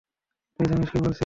তুই জানিস কী বলছিস?